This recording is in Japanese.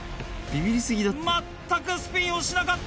全くスピンをしなかった。